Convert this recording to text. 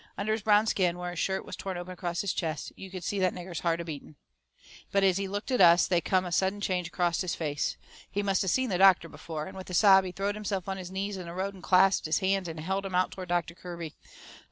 Under his brown skin, where his shirt was torn open acrost his chest, you could see that nigger's heart a beating. But as he looked at us they come a sudden change acrost his face he must of seen the doctor before, and with a sob he throwed himself on his knees in the road and clasped his hands and held 'em out toward Doctor Kirby.